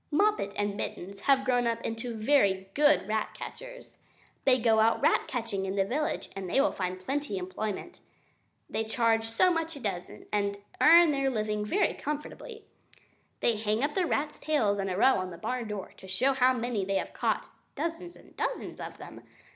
Moppet and Mittens have grown up into very good rat catchers. They go out rat catching in the village, and they find plenty of employment. They charge so much a dozen and earn their living very comfortably. They hang up the rats' tails in a row on the barn door, to show how many they have caught dozens and dozens of them.